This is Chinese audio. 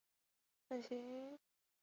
祖父董孚言。